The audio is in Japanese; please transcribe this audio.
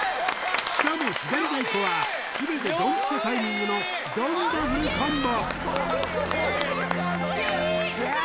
しかも左太鼓は全てドンピシャタイミングのドンダフルコンボ！！